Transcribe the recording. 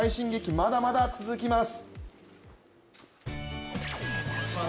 まだまだ続きます。